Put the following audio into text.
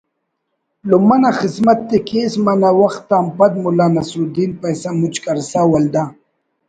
لمہ نا خذمت ءِ کیس منہ وخت آن پد ملا نصرالدین پیسہ مچ کرسا ولدا